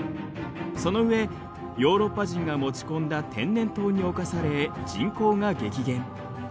その上ヨーロッパ人が持ち込んだ天然痘に侵され人口が激減。